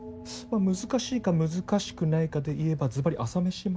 難しいか難しくないかでいえばずばり朝飯前。